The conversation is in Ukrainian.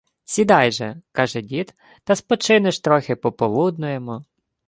Сідай же, — каже дід, — та спочинеш трохи, пополуднуємо